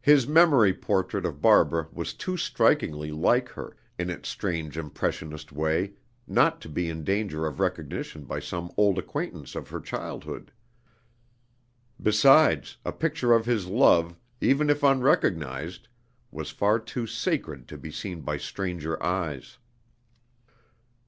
His memory portrait of Barbara was too strikingly like her, in its strange impressionist way, not to be in danger of recognition by some old acquaintance of her childhood. Besides, a picture of his love, even if unrecognized, was far too sacred to be seen by stranger eyes.